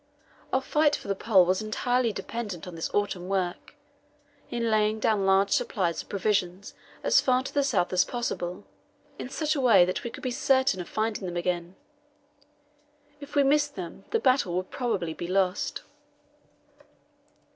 Our fight for the Pole was entirely dependent on this autumn work, in laying down large supplies of provisions as far to the south as possible in such a way that we could be certain of finding them again. If we missed them, the battle would probably be lost.